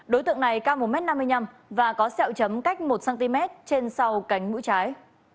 đối tượng này cao một m năm mươi năm và có sẹo chấm cách một cm trên sau cánh mũi trái